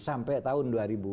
sampai tahun dua ribu dua puluh